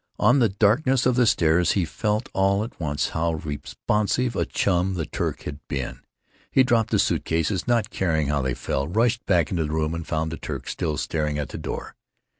On the darkness of the stairs he felt all at once how responsive a chum the Turk had been. He dropped the suit cases, not caring how they fell, rushed back into the room, and found the Turk still staring at the door.